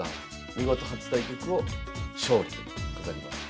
見事初対局を勝利で飾ります。